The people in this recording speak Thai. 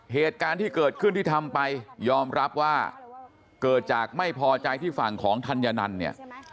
เหตุการณ์ที่เกิดขึ้นที่ทำไปยอมรับว่าเกิดจากไม่พอใจที่ฝั่งของธัญนันต์เนี่ย